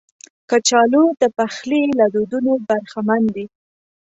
کچالو د پخلي له دودونو برخمن دي